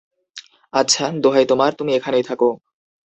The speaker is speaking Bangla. আচ্ছা, দোহাই তোমার, তুমি এইখানেই থাকো।